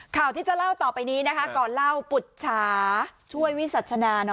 ข่าวที่จะเล่าต่อไปนี้นะคะก่อนเล่าปุจฉาช่วยวิสัชนา